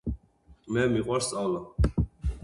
მე მიყვარს სწავლა